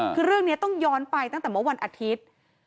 คือเรื่องนี้ต้องย้อนไปตั้งแต่เมื่อวันอาทิตย์